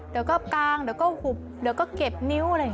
เดี๋ยวก็กางซักตัวเดี๋ยวเขากับจบมีนิ้วอะไรอย่างนี่